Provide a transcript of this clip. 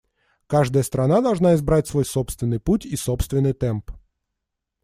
Каждая страна должна избрать свой собственный путь и собственный темп.